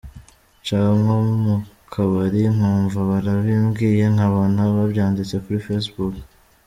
Nca nko mu kabari nkumva barabimbwiye, nkabona babyanditse kuri facebook.